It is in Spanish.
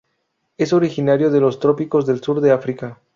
Es originario de los trópicos del sur de África.